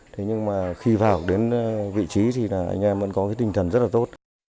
thế nhưng mà khi vào đến vị trí thì là anh em vẫn có cái tinh thần rất là tốt